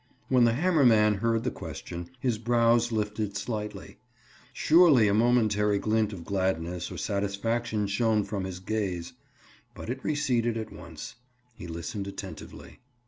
When the hammer man heard the question, his brows lifted slightly. Surely a momentary glint of gladness or satisfaction shone from his gaze. But it receded at once. He listened attentively.